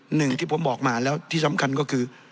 หนึ่งที่ผมบอกมาแล้วที่สำคัญก็คือ